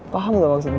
paham gak maksud gue